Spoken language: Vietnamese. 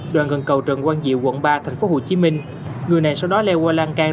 đoạn gần cầu trần quang diệu quận ba tp hcm người này sau đó leo qua lang cang